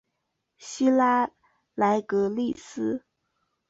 希拉莱格利斯。